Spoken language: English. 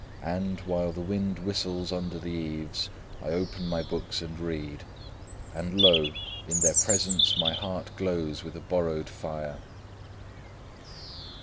And, while the wind whistles under the eaves, I open my books and read; and lo! in their presence my heart glows with a borrowed fire."